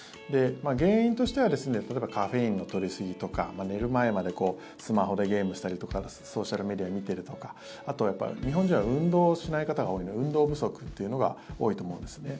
原因としては例えばカフェインの取りすぎとか寝る前までスマホでゲームしたりとかソーシャルメディア見てるとかあと、日本人は運動しない方が多いので運動不足というのが多いと思うんですね。